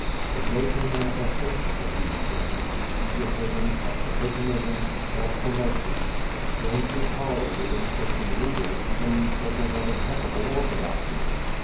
The grosser manifestations of these sins, egotism, exhibitionism, self promotion, are strangely tolerated in Christian leaders even in circles of impeccable orthodoxy.